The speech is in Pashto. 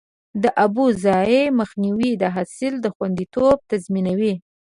د اوبو ضایع مخنیوی د حاصل خوندیتوب تضمینوي.